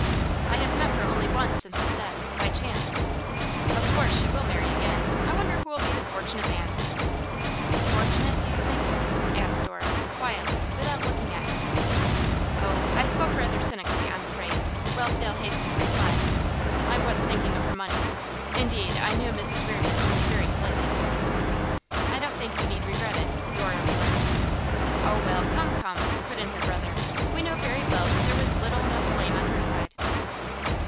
'I have met her only once since his death by chance.' 'Of course she will marry again. I wonder who'll be the fortunate man?' 'Fortunate, do you think?' asked Dora quietly, without looking at him. 'Oh, I spoke rather cynically, I'm afraid,' Whelpdale hastened to reply. 'I was thinking of her money. Indeed, I knew Mrs Reardon only very slightly.' 'I don't think you need regret it,' Dora remarked. 'Oh, well, come, come!' put in her brother. 'We know very well that there was little enough blame on her side.